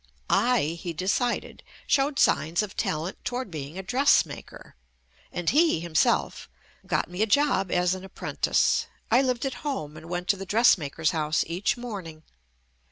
I, he decided, showed signs of talent toward being a dressmaker, and he, him self, got me a job as an apprentice. I lived at home and went to the dressmaker's house each morning.